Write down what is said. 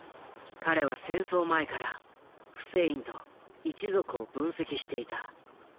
彼は戦争前からフセインと一族を分析していた。